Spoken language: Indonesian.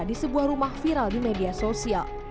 di sebuah rumah viral di media sosial